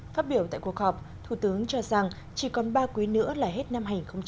phát biểu tại cuộc họp thủ tướng cho rằng chỉ còn ba quý nữa là hết năng